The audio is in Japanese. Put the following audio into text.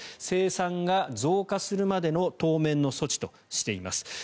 生産が増加するまでの当面の措置としています。